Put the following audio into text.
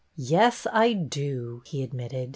Yes, I do," he admitted.